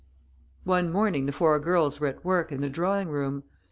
One morning the four girls were at work in the drawing room.